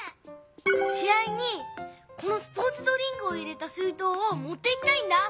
し合にこのスポーツドリンクを入れた水とうをもっていきたいんだ。